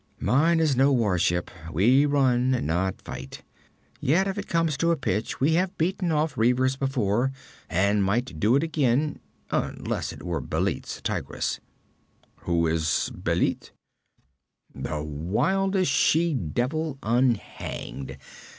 'Mine is no warship. We run, not fight. Yet if it came to a pinch, we have beaten off reavers before, and might do it again; unless it were Bêlit's Tigress.' 'Who is Bêlit?' 'The wildest she devil unhanged.